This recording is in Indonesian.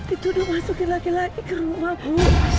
itu udah masukin laki laki ke rumah bu